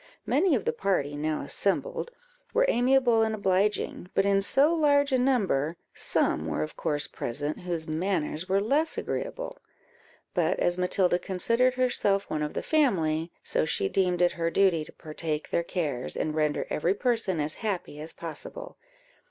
Many of the party now assembled were amiable and obliging, but in so large a number, some were of course present, whose manners were less agreeable: but as Matilda considered herself one of the family, so she deemed it her duty to partake their cares, and render every person as happy as possible.